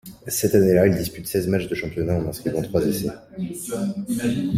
Cette année-là, il dispute seize matchs de championnat en inscrivant trois essais.